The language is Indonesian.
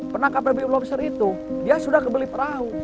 pernahkah baby lobster itu dia sudah kebeli perahu